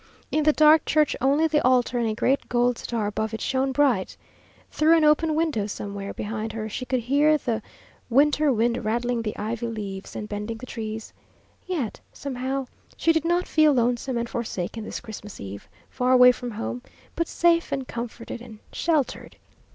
In the dark church only the altar and a great gold star above it shone bright. Through an open window somewhere behind her she could hear the winter wind rattling the ivy leaves and bending the trees. Yet, somehow, she did not feel lonesome and forsaken this Christmas eve, far away from home, but safe and comforted and sheltered.